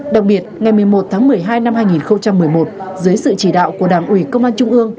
đặc biệt ngày một mươi một tháng một mươi hai năm hai nghìn một mươi một dưới sự chỉ đạo của đảng ủy công an trung ương